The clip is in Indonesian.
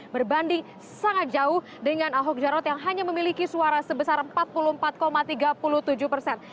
berbanding sangat jauh dengan ahok jarot yang hanya memiliki suara sebesar empat puluh empat tiga puluh tujuh persen